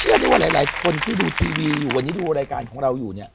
ได้ว่าหลายคนที่ดูทีวีอยู่วันนี้ดูรายการของเราอยู่เนี่ย